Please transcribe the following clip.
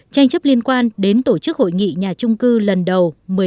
tranh chấp liên quan đến tổ chức hội nghị nhà trung cư lần đầu một mươi ba